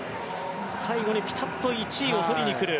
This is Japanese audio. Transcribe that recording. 最後にピタッと１位を取りにくる。